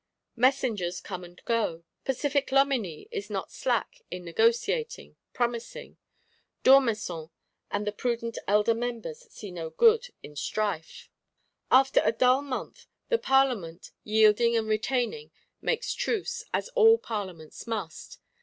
Messengers come and go: pacific Loménie is not slack in negotiating, promising; D'Ormesson and the prudent elder Members see no good in strife. After a dull month, the Parlement, yielding and retaining, makes truce, as all Parlements must.